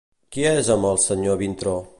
Qui és amb el senyor Vintró?